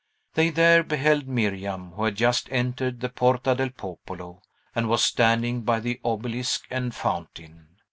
They there beheld Miriam, who had just entered the Porta del Popolo, and was standing by the obelisk and fountain.